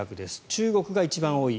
中国が一番多い。